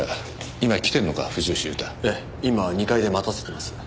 今２階で待たせてます。